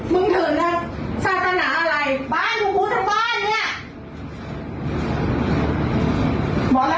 มึงเผยนะศาสนาอะอะไรบ้านขูกทงทำบ้านเนี่ย